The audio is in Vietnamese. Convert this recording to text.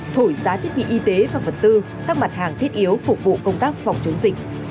thổi giá thiết bị y tế và vật tư các mặt hàng thiết yếu phục vụ công tác phòng chống dịch